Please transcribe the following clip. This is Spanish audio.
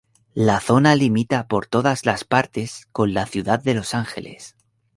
La zona limita por todas las partes con la Ciudad de Los Ángeles.